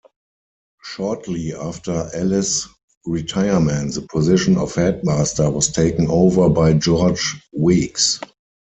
Shortly after Ellis' retirement the position of headmaster was taken over by George Weeks.